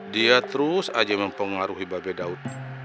dia terus aja mempengaruhi babe daud